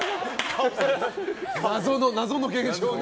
謎の現象ね。